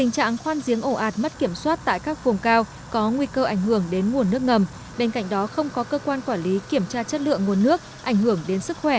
nhiều vùng khát hiếm nguồn nước ngầm người dân phải khoan từ ba mươi đến năm mươi mét